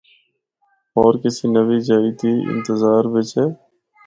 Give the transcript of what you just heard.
ہور کسی نوّی جائی دی انتظار بچ ہے۔